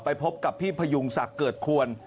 พบกับพี่พยุงศักดิ์เกิดควร